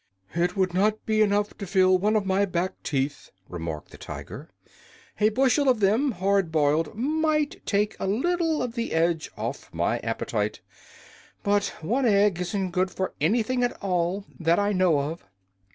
"It would not be enough to fill one of my back teeth," remarked the Tiger. "A bushel of them, hard boiled, might take a little of the edge off my appetite; but one egg isn't good for anything at all, that I know of."